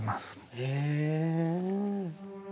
へえ。